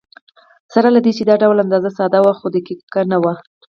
سره له دې چې دا ډول اندازه ساده وه، خو دقیقه نه وه.